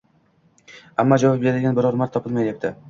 Ammo javob beradigan biror mard topilmayapti.